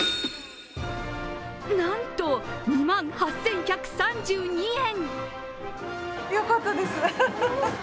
なんと、２万８１３２円！